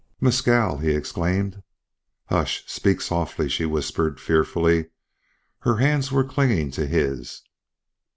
"Mescal!" he exclaimed. "Hush! Speak softly," she whispered fearfully. Her hands were clinging to his.